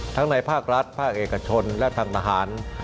ในภาครัฐภาคเอกชนและทางทหาร